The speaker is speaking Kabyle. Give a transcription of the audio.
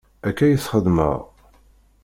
Akka i t-xeddmeɣ.